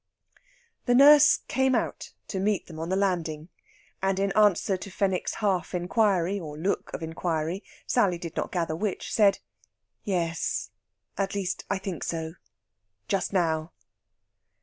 The nurse came out to meet them on the landing, and in answer to Fenwick's half inquiry or look of inquiry Sally did not gather which said: "Yes at least, I think so just now."